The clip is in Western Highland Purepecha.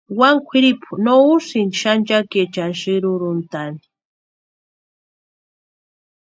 Wani kwʼiripu no úsïnti xanchakiechani sïrurhutani.